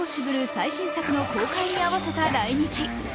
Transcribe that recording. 最新作の公開に合わせた来日。